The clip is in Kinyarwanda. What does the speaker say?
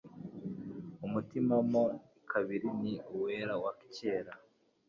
Umutima mo kabiri ni uwera, wa kera;